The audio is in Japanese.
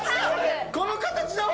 この形だ！